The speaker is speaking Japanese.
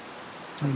はい。